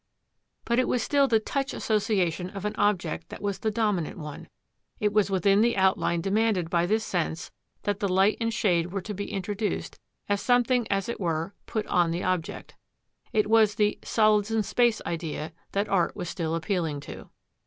But it was still the touch association of an object that was the dominant one; it was within the outline demanded by this sense that the light and shade were to be introduced as something as it were put on the object. It was the "solids in space" idea that art was still appealing to.